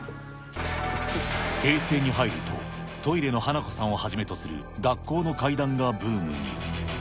平成に入ると、トイレの花子さんをはじめとする学校の怪談がブームに。